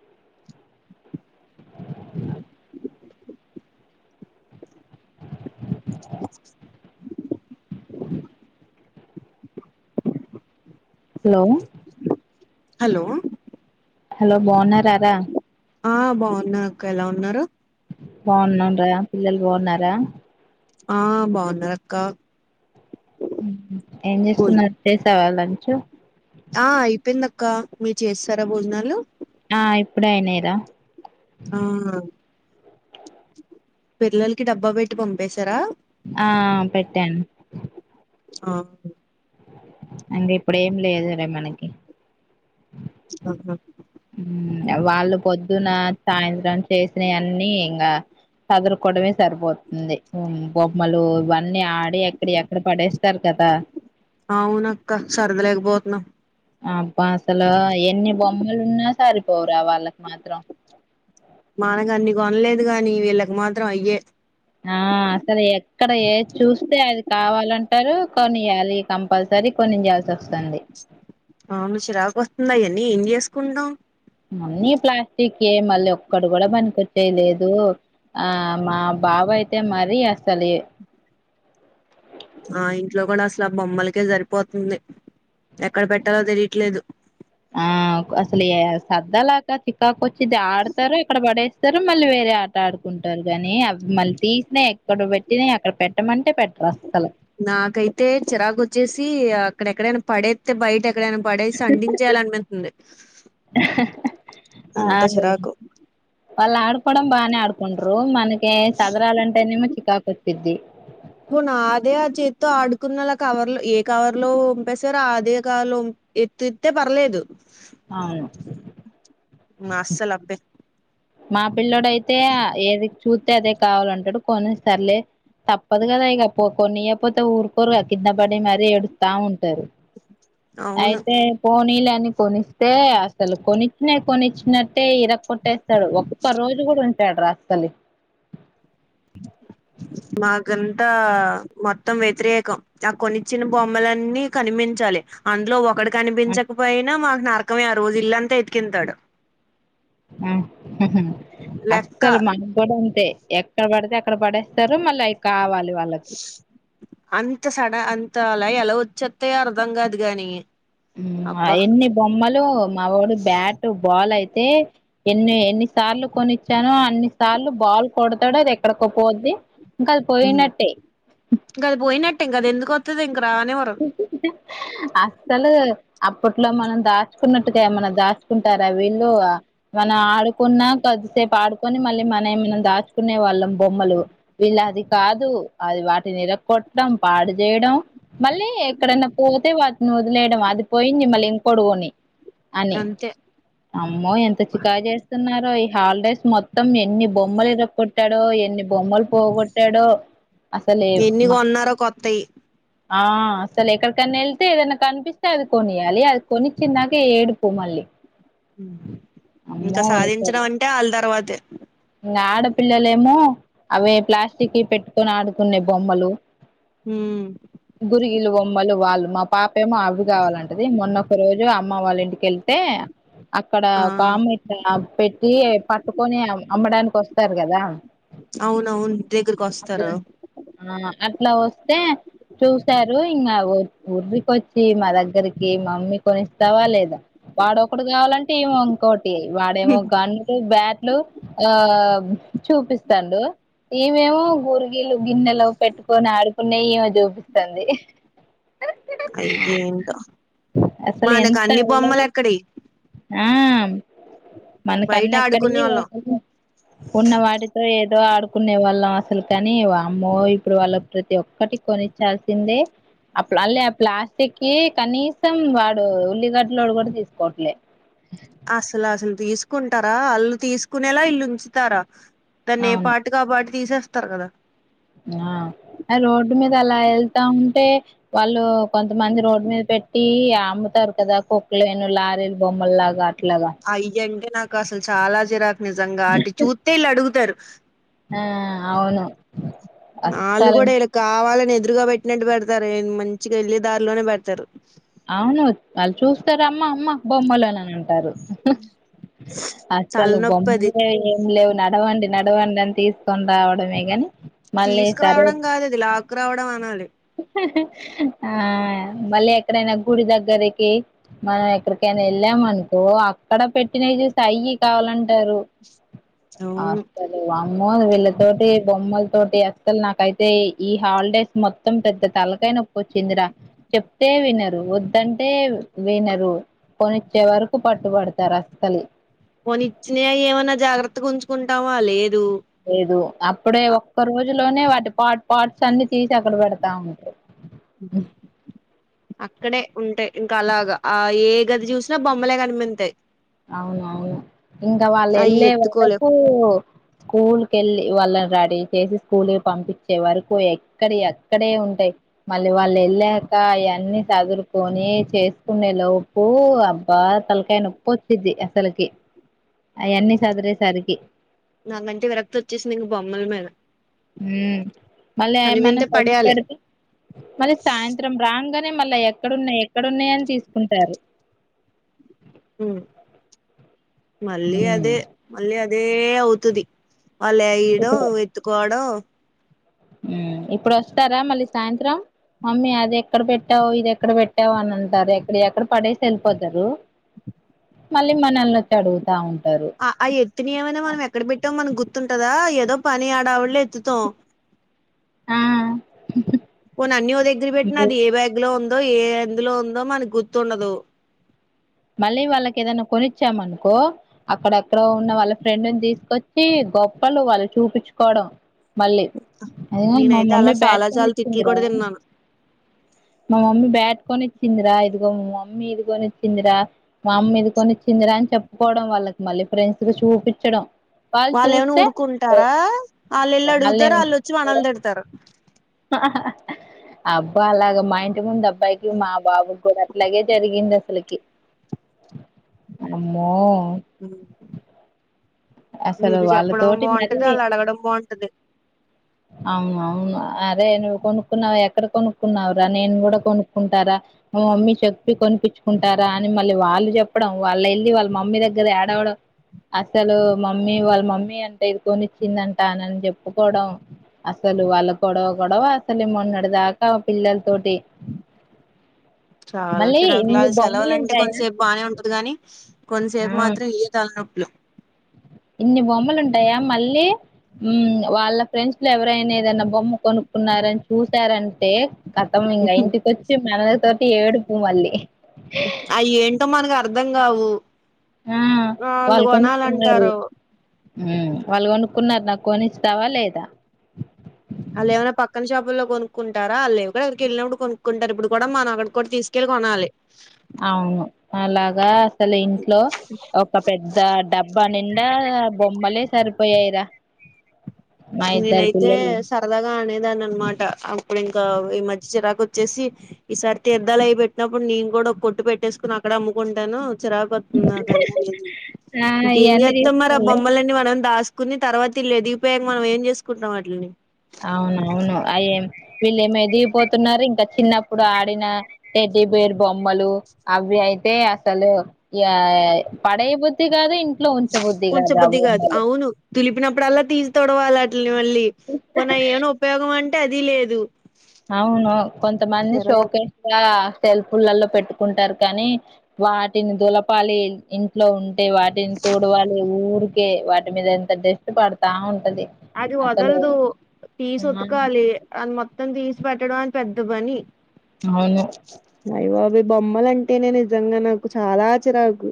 [inaudible] Hello hello hello బాన్నారా రా ఆ బాగున్నా అక్క ఎలా ఉన్నారు బాన్నాను రా పిల్లలు బాన్నారా ఆ బాగున్నారు అక్క ఏం భోజ చేస్తున్నారు చేసావా లంచ్ ఆ అయిపోయింది అక్క మీరు చేస్తారా భోజనాలు ఆ ఇప్పుడే అయినాయి రా ఆ పిల్లలకి డబ్బా పెట్టి పంపేశారా ఆ పెట్టాను ఆ అంటే ఇప్పుడు ఏం లేదు రే మనకి ఆ ఆ వాళ్ళు పొద్దున సాయంత్రం చేసినవన్నీ ఇంకా సర్దుకోవడం సరిపోతుంది బొమ్మలు ఇవన్నీ ఆడి ఎక్కడ ఎక్కడ పడేస్తారు కదా దా అవునక్కా సరదా లేకపోతున్నాం అబ్బ అసలు ఎన్ని బొమ్మలు ఉన్నా సరిపోవరా వాళ్ళకి మాత్రం మనగా అన్ని కొనలేదు కాగాని వీళ్ళకి మాత్రం అయ్యే ఆ అసలు ఎక్కడ ఏది చూస్తే అది కావాలంటారు కొనియ్యాలి కంపల్సరీ అది కొంనియాలి అవును చిరాకు వస్తుంది ఆయన్ని ఏం చేసుకుంటాం మన్నీ ప్లాస్టిక్ ఏ మళ్ళీ ఒక్కడు కూడా పనికొచ్చేది లేదు ఆ మా బాబు అయితే, మరి అసలీ ఆ ఇంట్లో గుడా అసలు, ఆ బొమ్మలకే సరిపోతుంది. ఎక్కడ పెట్టాలో తెలియట్లేదు. ఆ కో అసలు ఏ సద్దలేక చికాకు ఒచ్చింది. ఆడతారు ఇక్కడో పడేస్ స్తారు, మళ్ళీ వేరే ఆట ఆడుకుంటారు గానీ, అవి మళ్ళీ తీసినయి ఎక్కడ పెట్టినా అక్కడ పెట్టమంటే పెట్ నాకైతే చిరాకు ఓచ్చేసి, అక్కడెక్కడైనా పడేత్తే బయట ఎక్ పడేసి అంటించెయ్యాలనిపితోంది. అంత అవును. చిరాకు వాళ్ళు ఆడుకోవడం బానే ఆడుకుంటుర్రు, మనకి సదరాలంటేనేమో చికాకొచ్చిద్ది. మొన్న అదే ఆ చేతితో ఆడుకున్నలా ఆ కవర్ లో, ఏ కవర్ లో ఓంపేశారో అదే కాలుమ్ ఎత్తేత్తే పర్లేదు. అవును. అస్సలు అబ్బే మా పిల్లోడైతే ఆ ఏది చూత్తే, అదే కావాలంటాడు పోనీ సర్లే. తప్పదు గదా ఇగా, పో కొన్నియ్యకపోతే ఊరుకోరుగా కింద పడి మరి ఏడస్తా ఉంటారు. అవును అయితే పోనీలే అని కొనిస్తే, అసలు కొనిచ్చినాయి కొనిచ్చినట్ ట్టే ఇరకొట్టేస్తాడు, ఒక్క రోజు కూడా ఉంచడు రా అసలు. [inaudible] మాకంతా మొత్తం వ్యతిరేకం, ఆ కొనిచ్చిన బొమ్మలన్నీ కనిమించ్ చాలి. అందులో ఒకటి కనిపించకపోయినా మాక్ నరకమే ఆ రోజు ఇల్లంతా ఎతికింతాడు. ఉమ్ ఉహుమ్ లెక్క అస్సల్ మక్ గుడా అంతే, ఎక్కడ పడితే అక్ అక్కడ పడేస్తారు, మళ్ళీ అయి కావాల్ అంత సడ అంతా అలా, ఎలా వచ్చేత్తయో అర్ధం కాదు గాని, ఉమ్ అబ్బా ఆయాన్ని బొమ్మలు మావాడు బ్యాట్, బాల్ అయితే ఎన్ని ఎన్నిసార్లు కొనిచ్చానో, అన్ని సార్లు బాల్ కొడ్త్ తాడు, అది ఎక్కడికో పోద్ది, ఇంకా అది పోయినట్టే. [unintelligible] ఇంకా రానివ్వరు. అస్సలు, అప్పట్లో మనం దాచుకున్నట్టుగా, ఏమన్నా దాచుకుంటారా వీళ్ళు. మనం ఆడుకున్నా కొద్దిసేపు ఆడుకొని, మళ్ళీ మనై మనం దాచుకునే వాళ్ళం బొమ్మలు. ఇలా అది కాదు, అది వాటిని ఇరక్కొట్టడం, పాడు జేయడం మళ్ళీ ఎక్కడన్నా పోతే వాటిని వదిలేయడం, అది పోయింది మళ్ళీ ఇంకొటి కొనియ్యి. అని, అంతే అమ్మో ఎంత అబ్బా! చికాకు చేస్తున్నారో ఈ హాలిడేస్ మొత్ త్తం ఎన్ని బొమ్మలు ఇరకొట్టాడో, ఎన్ని బొమ్మలు పోగొట్టాడో, అసలేమ్ ఎన్ని కొన్నారో కొత్తయి ఆ అసలు ఎక్కడికైనా ఎళ్తే, ఏదన్నా కనిపిస్తే అది కొనియాలి. అది కొనిచ్చిన్దాక ఏడుపు మళ్ళీ. ఉమ్, ఇంకా అమ్మో సాధించడం అంటే ఆళ్ళ తర్వాతే. ఇగ ఆడపిల్లలేమో, అవే ప్లాస్టికి పెట్టుకొని ఆడుకునే బొమ్మలు, ఉమ్ గురిగిలు, బొమ్మలు వాళ్ళు మా పాపేమో అవి కావాలంటది. మొన్న ఒక రోజు అమ్మ వాళ్ళ ఇంటికెళ్తే, అక్కడ ఆ ఒక ఆమె ఇట్ట, పెట్టి పట్టుకొని అమ్మడానికి వస్తారు గదా. అవునవును ఇంటి దగ్గరకు ఓస్తారు. ఆ అట్లా ఓస్తే చూసారు, ఇంగా ఉ ఉరికి ఓచ్చి మా దగ్గరికి మమ్మీ కొనిస్తావా లేదా, వాడొ ఒకడు కావాలంటే, ఇమో ఇంకోటి వాడేమో గన్లు, బ్యాట్లు ఆ చూపిస్తాండు, ఈమేమో గురిగిలు గిన్నెలో పెట్టుకొని ఆడుకునే ఈమె చూపిస్తంది అయ్యేంటో అసలు మనకు ఎంత అన్ని బొమ్మలు అల్లరి ఎక్కడియి ఆ మనక్ బయట అన్ని ఆడుకునే ఎక్కడియీ వాళ్ళం ఉన్న వాటితో ఏదో ఆడుకునే వాళ్ళం అసలు కాని వామ్మో ఇప్పుడు వాళ్ళకి ప్రతి ఒక్కటి కొ నిచ్చాల్సిందే అపుడ్ అలే ఆ ప్లాస్టిక్ కి కనీసం వాడు ఉల్లిగడ్లోడు కూడా తీసుకోవట్లే అసల్ అసల్ తీసుకుంటారా అల్లు తీసుకునేలా ఇల్లు ఉంచుతారా దాన్ని ఏ అవును పార్ట్ కు ఆ పార్ట్ తీసేస్తారు కదా ఆ రోడ్డు మీద అలా వెళ్తా ఉంటే వాళ్ళూ కొంతమంది రోడ్డు మీద పె టీ అమ్ముతారు కదా కుక్కలేను లారీలు బొమ్మలు లాగా అయ్యంటే నాకు అసలు చాలా చిరాకు నిజంగా అంటే చూత్తె ఇళ్ళు అడుగుతారు ఆ అవును ఆళ్ళు అస్సలు కూడా ఈడ కావాలని ఇదురుగా పెట్టినట్టు పెడతారు మంచిగా వెళ్ళి దారిలోనే పెడతారు అవును వాళ్ చూస్తారు అమ్మ అమ్మ బొమ్మలు అని అంటారు అసలు తలనొప్పి అది బొమ్మలే ఏం లేవు నడవండి నడవండి అని తీసుకొని రావడమే గని తీసుకురావడం కాదు అది లాక్ రావడం అనాలి హి హి ఆ మళ్ళీ ఎక్కడైనా గుడి దగ్గరికి మనం ఎక్కడికైనా ఎళ్ళాం అనుకో అక్కడ పెట్టినయ్ చూసి అయ్యి కావాలంటారు ఆ అవును సరే వామ్మో వీళ్ళతోటి బొమ్మ తోటి అస్సల్ నాకైతే ఈ హాలిడేస్ మొత్ అం పెద్ద తలకాయ నొప్పొచ్చిందిరా చెప్తే వినరు వద్దంటే వినరు కొనిచ్చే వరకు పట్టుబడతారు అస్సలు పోని ఇచ్చినయ్ అయ్ ఏమన్నా జాగ్రత్తగా ఉంచుకుంటామా లేదు లేదు అప్పుడే ఒక్క రోజులోనే వాటి పాట్ పాట్స్ అన్ని తీసి ఎక్కడ పెడతా ఉంటారు అక్కడే ఉంటాయ్ ఇంకా అలాగా ఆ ఏ గది చూసినా బొమ్మలే కనిపింతాయ్ అవునవును ఇంకా వాళ్ళు అవి ఎళ్ళే ఎత్తుకోలేం వరకూ స్కూల్ కెళ్ళి వాళ్ళ రడి చేసి స్కూల్ కి పంపించే వరకు ఎక్కడియ్ అక్కడే ఉంటాయ్ మళ్ళీ వాళ్ళు ఎళ్ళాక అవన్నీ సదురుకొని చేసుకునేే లోపు అబ్బా తలక్ అయ్ నొప్పొచ్చిది అసలు్కి అయన్ని సదిరేసరికి నాకంటే విరక్తి ఒచ్చేసింది ఇంగ బొమ్మల మీద మ్ మళ్ళీ ఏమన్నా కనివింతే సర్ది పడేయాలి పెడితే మళ్ళీ సాయంత్రం రాంగనె మళ్ళ ఎక్కడున్నాయ్ ఎక్కడున్నాయన్ తీసుకుంటారు మ్ మళ్ళీ ఉమ్ అదే మళ్ళీ అదే అవుతది వాళ్ళు ఏయ్డం ఎత్తుకోవడం మ్ ఇప్పుడొస్తారా మళ్ళీ సాయంత్రం మమ్మీ అది ఎక్కడ పెట్టావ్ ఇది ఎక్కడ పెట్టావ్ అని అంటార్ ఎక్కడియ్ అక్కడ పడేసి ఎళ్ళిపోతారు మళ్ళీ మనల్నొచడుగుతా ఉం అ ఆ ఎత్తుని ఏమైనా మనం ఎక్కడ పెట్టాం మనం గుర్ తుంటదా ఏదో పని ఆడావిడిలో ఎత్తుతాం ఆ పోన్ అన్ని ఓ దగ్గర పెట్టినాది ఏ బ్యాగ్ లో ఉంద్ దో ఏ ఎందులో ఉందో మనక్ గుర్తుండదు మళ్ళీ వాళ్ళకి ఏదైనా కొనిచ్చామనుకో అక్కడక్కడో ఉన్న వాళ్ళ ఫ్రెండ్ని తీసుకొచ్చి గొప్పలు వాళ్ళు చూపించుకోవడం మళ్ళీ మా నేనైతే అలా మమ్మీ బ్యాట్ చాలా చాలా తిట్లు కొనిచిందిరా కూడా తిన్నా మా మమ్మీ బేట్కొనిచ్చిందిరా ఇదిగో మా మమ్మీ ఇదికొనిచ్చిందిరా మా అమ్మ ఇదికొనిచ్చింది [unintelligible] చెప్పుకోవడం వాళ్ళకి మళ్ళీ ఫ్రెండ్స్ కి చూపించడం వాళ్ళు ఏమనా ఊరుకుంటారా వాళ్ళేల్లి అడుగుతారా వాళ్ళుొచ్చి వాళ్ళేమనుకుంటారు మనల్ని తిడతారు అబ్బా అలాగ మా ఇంటి ముందు అబ్బా బైకులో మా బాబుకి కూడా అట్లాగే జరిగింది అసలుకి అమ్మో అసలు వీళ్ళు చెప్పడం వాళ్ళతోటి మరీ బాగుంటది ఆళ్ళు అడగడం బాగుంటది అవునవును అరే నువ్వు కొనుక్కున్నావు ఎక్కడ కొనుక్కున్నావరా నేను కూడా కొనుక్కుంటారా మా మమ్మీ చెప్పి కొనిపించుకుంటారా అని మళ్ళీ వాళ్ళు చెప్పడం వాళ్ళు వెళ్ళి వాళ్ళ మమ్మీ దగ్గర ఏడవడం అసలు మమ్మీ వాళ్ళ మమ్మీ అంటే ఇదికొనిచ్చిందంట ననీ చెప్పుకోవడం అసలు వాళ్ళ గొడవ గొడవ అసలే మొన్నటి దాకా పిల్లల తోటి చాలా ఇన్ని చిరాకులుది బొమ్మలు సెలవులుంటే ఉంటాయా కొంతసేపు బాగానే ఉంటది గానీ కొంతసేపు ఆ మాత్రం ఈ తలనోప్పులు ఇన్ని బొమ్మలు ఉంటాయా మళ్ళీ వాళ్ళ ఫ్రెండ్స్ లు ఎవరైనా ఏదనా బొమ్మ కొనుక్కున్నారని చూసారంటే కతం ఇంకా ఇంటికొచ్చి మనల తోటి ఏడుపు మళ్ళీ అయి ఏంటో మనకు అర్ధం కావు ఆ వాళ్ళు కొనాలంటారు హు వాళ్ళు కొనుక్కున్నారు నాకు కొనిస్తవా లేదా వాళ్ళు ఏమన్నా పక్కన షాపుల్లో కొనుకుంటారా ఆడ లేవు కదా అక్కడికి వెళ్ళినప్పు కూడా కొనుక్కుంటారు ఇప్పుడు కూడా మనం ఒక్కటి కూడా తీకె కొనాలి అవును అలాగా అసలు ఇంట్లో ఒక పెద్ద డబ్బా నిండా బొమ్మలే సరిపోయాయిరా మా ఇద్దరు నేనైతే పిల్లలు సరదాగా అనే దాన్ని అనమాట అప్పుడు ఇంకా ఈ మధ్య చిరాకు వచ్చేసి ఈసారి తీర్థాలు అయి పెట్టినప్పుడు నేను కూడా అక్కడ ఒక కొట్టు పెట్టేసుకుని అక్కడే అమ్ముకుంటాను చిరకువస్తది నాకు కాని అ ఆ ఇంకేం ఇయన్నీ చేస్తాం మరి ఆ తీసుకెళ్ళ బొమ్మలన్నీ మనం దాసుం కుని తర్వాత వీళ్ళు ఎదిగిపోయాక మనం ఏం చేసుకుంటాం వాటిని అవునవును అయేం వీళ్ళు ఏమో ఎదిగిపోతున్నారు ఇంకా చిన్నప్పుడు ఆడిన టెడ్డి బేర్ బొమ్మలు అవి అయితే అసలు ఆ పడేయ బుద్ధి కాదు ఇంట్లో ఉంచబుద్ధి కాదు ఆ బొమ్మలు తీ తొడవాలి అటిని మళ్ళీ పోన ఏమనా ఉపయోగం అంటే అది లేదు అవును కొంతమంది చిరాకు షోకేస్ గా సెల్ఫ్లలో పెట్టుకుంటారు కానీ వాటిని దులపాలి ఇంట్లో ఉ అంటే వాటిని తుడవాలి ఊరికే వాటి మీద ఎంత డస్ట్ పడతా ఉ అది వదలదు తీసి ఆ ఉత్కలి అది మొత్తం తీసి పెట్టడం అని పెద్ద పని అవును అయి బబ బొమ్మలంటేనే నిజంగా నాకు చాలా చిరాకు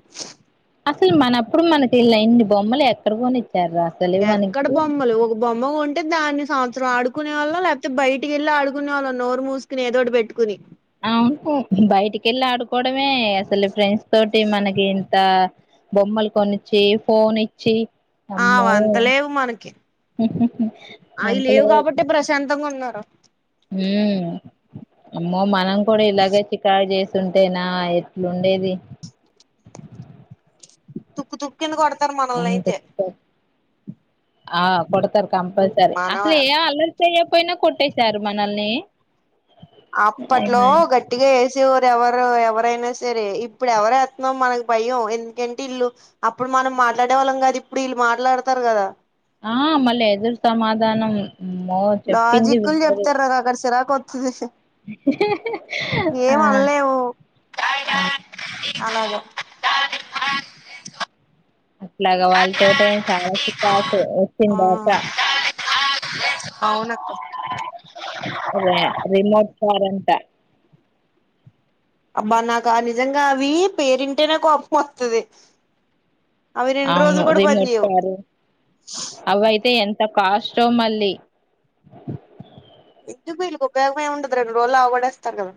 అసలు మనప్పుడు మనకి ఇలా ఇన్ని బొమ్మలు ఎక్కడ కొనిచ్చారు అసలు ఎక్కడ మనకి బొమ్మలు ఒక బొమ్మ కొంట అంటే దాన్ని సంవత్సరం ఆడుకునేవాళ్ళం లేకపోతే బయటికి వెళ్ళి ఆడుకునే వాళ్ళం నోరు మూసుకుని ఏదోటి పెట్టుకుని అవును బయటికిెళ్ళి ఆడుకోవడమే అసలు ఫ్రెండ్స్ తోటి అంటే మనకి ఇంత బొమ్మల్ కొనిచ్చి ఫోన్ ఇచ్చి అమ్మో ఆవంత లేవు మనకి అయి లేవు కాబట్టే ప్రశాంత్ తంగ ఉన్నారా మ్ అమ్మో మనం కూడా ఇలాగే చికార్ చేస్ స్తుంటేనా ఎట్లుండేది తుక్కు తుక్కేందు కొడతారు అంత మనల్నైతే చికాకు ఆ కొడ్తరు కంపల్సరీ మనం అసల్ ఏ అల్లరి చేయ్యక్పొయినా కొట్టేశారు మనల్ని అప్పట్లో ఉమ్. గట్టిగా ఏస్ ఎవరు ఎవరైనా సరే ఇప్పుడ్ ఎవర్ ఎత్తున్నాం మనకు భయం ఎందుకంటే ఇల్లు అప్పుడు మనం మాట్లాడేవాళ్ళం కాదు ఇప్పుడ్ ఈళ్ళు మాట్లాడ్తార్ గదా ఆ మళ్ళీ ఎదురు సమాధానం అమ్మో చెప్పింది లాజిక్లు వినరు చెప్తారా నాక్ ఆడ చిరాక్ వత్తది. ఆ ఏం అన్లేవు ఆ అలాగ ఇట్లాగ వాళ్ళతోటే చాలా [inaudible] ఆ వచ్చిందాట ఓ అదే రిమోట్ కారంట. అబ్బా నాకా నిజంగా అవి పేరింటేనే కోపం వత్తది. అవును రిమోట్ కారు అవైతే ఎన్ త కాస్టో మళ్ళీ ఎందుకు వీళ్ళకి ఉపయోగమే ఉండదు రెండు రోజుల్లో అవగడేస్తారు గదా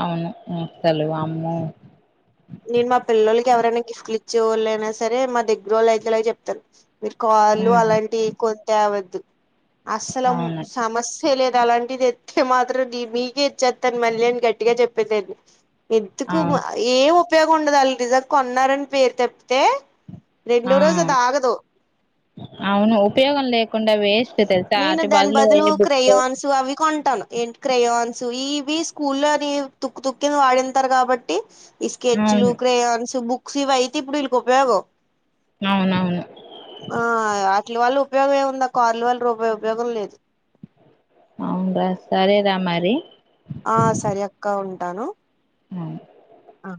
అవును ముత్తలు వామ్మో నేను మా పిల్లలకి ఎవరైనా గిఫ్ట్లు ఇచ్చేవోళ్ళైనా సరే మా దగ్గరోళ్ అయితేలా చెప్తను. మీరు చాలా హ్మ్. అలాంటివి కొంత అవద్దు అస్సల అవును సమస్ తెలెదు అలాంటియి తెత్తే మాత్రం నీ మీకే ఇచ్చెత్తాను మళ్ళీ అని గట్టిగా చెప్పేదాని ఎత్తుకోమ అవును ఏం ఉపయోగం ఉండదు వాళ్ రిజవ్ కొన్నారన్ పేరు తప్ తే ఆ రెండో రోజ్ అద్ ఆగదు అవును ఉపయోగం లేకుండా వేస్ట్ తెల్సా నేను ఆటి దాని బదులు వేరే బుక్కో క్రేయాన్స్ అవి కొంటాను ఏంటి క్రయాన్స్ ఇవి స్కూల్లోని తుక్కు తుక్కిని వాడింతారు కాబట్టి ఈ స్కెచ్లు, అవును క్రేయన్స్, బుక్స్ ఇవైతే ఇప్పుడు వీళ్ళకు ఉపయోగం అవునవును ట్ల వల్ల ఉపయోగం ఏంముందుక్క కార్ల వల్ల రూపాయి ఉపయోగం లేదు. అవున్రా సరేరా మరి ఆ సరి అక్క ఉంటాను. ఆ ఆ